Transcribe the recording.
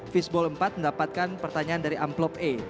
fishball empat mendapatkan pertanyaan dari amplop a